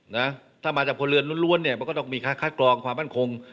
นะถ้ามาจากพลเรือนล้วนเนี่ยมันก็ต้องมีคัดกรองความมั่นคง